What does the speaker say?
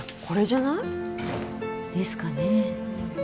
これじゃない？ですかね